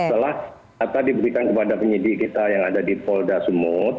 setelah data diberikan kepada penyidik kita yang ada di polda sumut